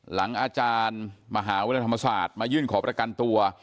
อาจารย์มหาวิทยาลัยธรรมศาสตร์มายื่นขอประกันตัว